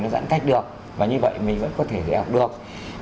nó giãn cách được và như vậy mình vẫn có thể dạy học được